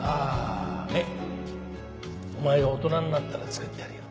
お前が大人になったら作ってやるよ。